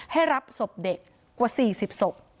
ให้รับศพเด็กกว่า๔๐ศพ